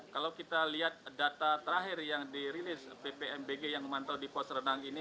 kalau kita lihat data terakhir yang dirilis ppmbg yang memantau di pos renang ini